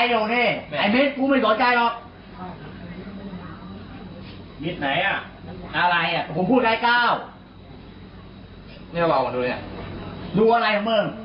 นี่เรามาดูเนี่ยดูอะไรครับเมิง